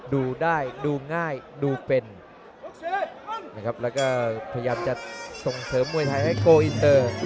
ดูได้ดูง่ายดูเป็นนะครับแล้วก็พยายามจะส่งเสริมมวยไทยให้โกอินเตอร์